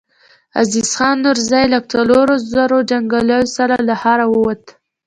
عزيز خان نورزی له څلورو زرو جنګياليو سره له ښاره ووت.